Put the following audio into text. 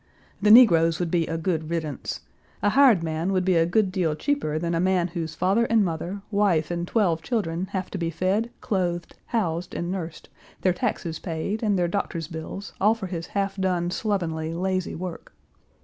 The negroes would be a good riddance. A hired man would be a good deal cheaper than a man whose father and mother, wife and twelve children have to be fed, clothed, housed, and nursed, their taxes paid, and their doctor's bills, all for his half done, slovenly, lazy work.